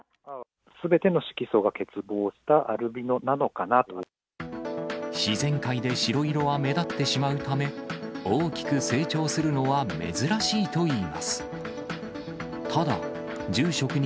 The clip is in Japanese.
すべての色素が欠乏したアル自然界で白色は目立ってしまうため、大きく成長するのは珍しいといいます。